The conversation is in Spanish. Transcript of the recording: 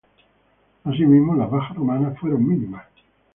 Asimismo, las bajas romanas fueron mínimas.